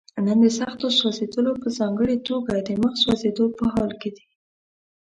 نن د سختو سوځېدلو په ځانګړي توګه د مخ سوځېدو په حال کې دي.